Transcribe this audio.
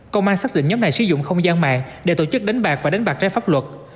công an xác định nhóm này sử dụng không gian mạng để tổ chức đánh bạc và đánh bạc trái pháp luật